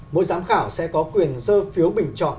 mỗi giám khảo sẽ có quyền dơ phiếu bình chọn